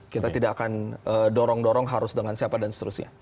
kita tidak akan dorong dorong harus dengan siapa dan seterusnya